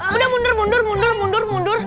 udah mundur mundur mundur mundur mundur mundur